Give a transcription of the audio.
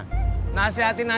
kalau marah dibercandain bagaimana